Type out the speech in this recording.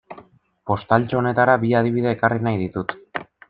Postaltxo honetara bi adibide ekarri nahi ditut.